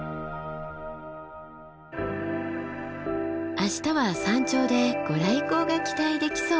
明日は山頂で御来光が期待できそう。